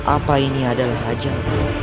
apa ini adalah hajar